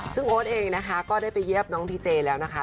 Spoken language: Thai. ซึ่งโอ๊ตเองนะคะก็ได้ไปเยี่ยมน้องพีเจแล้วนะคะ